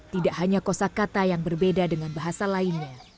tidak hanya kosa kata yang berbeda dengan bahasa lainnya